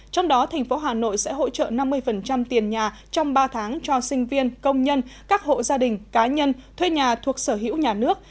trong đó tp hà nội sẽ hỗ trợ năm mươi tiền nhà trong ba tháng cho sinh viên công nhân các hộ gia đình cá nhân thuê nhà thuộc sở hữu nhà nước